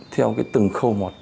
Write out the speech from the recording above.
theo từng khâu một